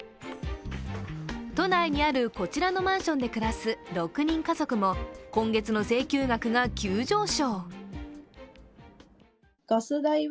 都内にあるこちらのマンションで暮らす６人家族も、今月の請求額が急上昇。